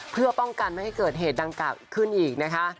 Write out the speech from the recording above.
เพื่อป้องกันไม่ให้เกิดเหตุดังกล่าวขึ้นอีกนะคะ